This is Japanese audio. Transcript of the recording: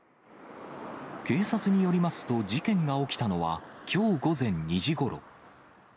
警察によりますと、事件が起きたのはきょう午前２時ごろ。